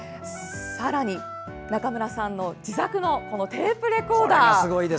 さらに、中村さんの自作のテープレコーダー。